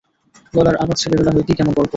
গলার আওয়াজ ছেলেবেলা হইতেই কেমন কর্কশ।